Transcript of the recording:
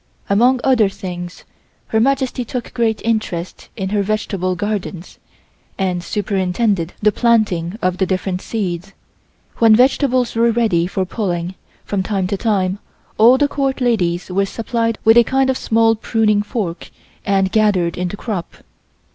Amongst other things Her Majesty took great interest in her vegetable gardens, and superintended the planting of the different seeds. When vegetables were ready for pulling, from time to time, all the Court ladies were supplied with a kind of small pruning fork and gathered in the crop.